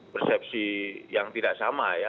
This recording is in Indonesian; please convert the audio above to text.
persepsi yang tidak sama ya